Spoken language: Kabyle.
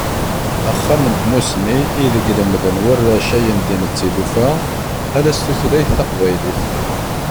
Axxam n Tmussni ideg lemmden warrac ayendin d tilufa, ala s tutlayt taqbaylit.